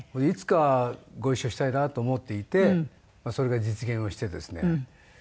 いつかご一緒したいなと思っていてそれが実現をしてですね。